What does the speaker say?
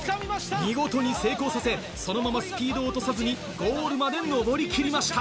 見事に成功させ、そのままスピードを落とさずにゴールまで登りきりました。